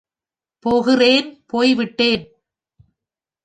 போகிறேன், போய் விட்டேன்.